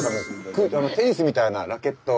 テニスみたいなラケットを。